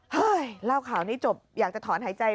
เล่าข่าวนี้จบอยากจะถอนหายใจ